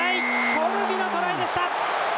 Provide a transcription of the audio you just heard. コルビのトライでした！